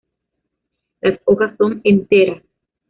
Las hojas son enteras.